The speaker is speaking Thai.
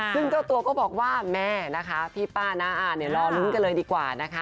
ซึ่งเจ้าตัวก็บอกว่าแม่นะคะพี่ป้าน้าอ่านเดี๋ยวรอลุ้นกันเลยดีกว่านะคะ